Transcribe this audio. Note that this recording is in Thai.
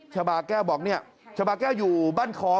ชาบาแก้วบอกเนี่ยชาบาแก้วอยู่บ้านคอ